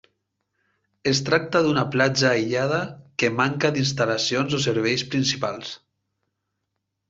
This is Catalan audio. Es tracta d'una platja aïllada que manca d'instal·lacions o serveis principals.